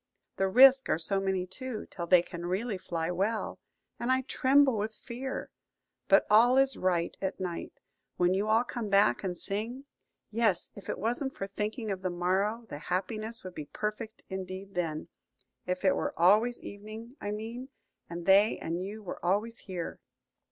The risks are so many too, till they can really fly well, and I tremble with fear. But all is right at night, when you all come back and sing. Yes, if it wasn't for thinking of the morrow, the happiness would be perfect indeed then: if it were always evening, I mean, and they and you were always here."